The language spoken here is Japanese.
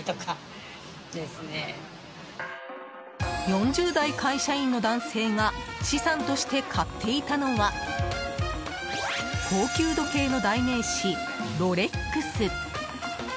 ４０代会社員の男性が資産として買っていたのは高級時計の代名詞、ロレックス。